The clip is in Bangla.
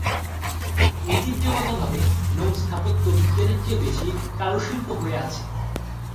ঐতিহ্যগতভাবে, নৌ স্থাপত্য বিজ্ঞানের চেয়ে বেশি কারুশিল্প হয়ে আছে।